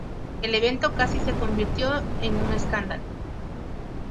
El evento casi se convirtió en un escándalo.